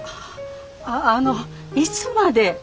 あのいつまで？